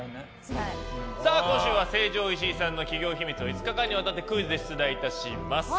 今週は成城石井さんの企業秘密を５日間にわたってクイズで出題します。